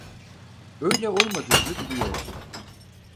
Öyle olmadığını biliyorsun.